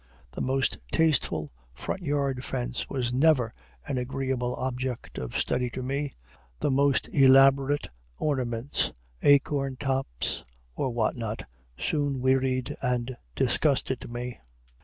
The most tasteful front yard fence was never an agreeable object of study to me; the most elaborate ornaments, acorn tops, or what not, soon wearied and disgusted me.